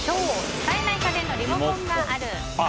使えない家電のリモコンがある。